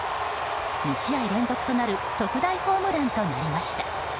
２試合連続となる特大ホームランとなりました。